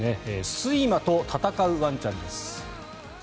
睡魔と闘うワンちゃんです。